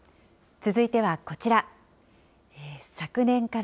続いてはこちら。